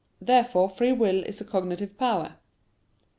Therefore free will is a cognitive power.